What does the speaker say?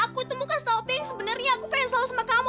aku tuh muka setopi yang sebenernya aku pengen selalu sama kamu